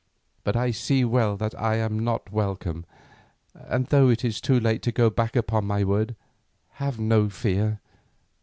But I see well that I am not welcome, and though it is too late to go back upon my word, have no fear.